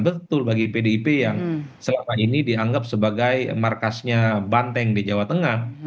betul bagi pdip yang selama ini dianggap sebagai markasnya banteng di jawa tengah